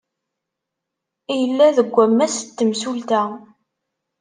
Yella deg wammas n temsulta.